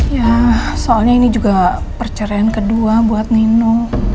ya soalnya ini juga perceraian kedua buat nino